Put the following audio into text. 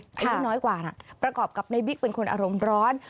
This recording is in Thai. อายุน้อยกว่านะประกอบกับในบิ๊กเป็นคนอารมณ์ร้อน